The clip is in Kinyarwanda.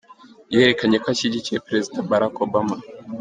Yerekanye ko ashyigikiye Perezida Barack Obama.